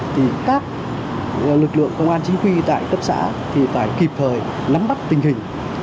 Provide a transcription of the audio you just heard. thì các lực lượng công an chính quy tại cấp xã thì phải kịp thời nắm bắt tình hình